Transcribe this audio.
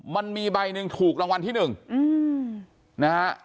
มันมีใบหนึ่งถูกรางวัลที่๑นะฮะ